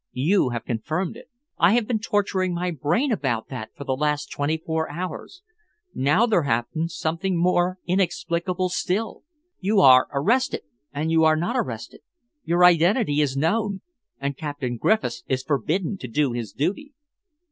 You have confirmed it. I have been torturing my brain about that for the last twenty four hours. Now there happens something more inexplicable still. You are arrested, and you are not arrested. Your identity is known, and Captain Griffiths is forbidden to do his duty."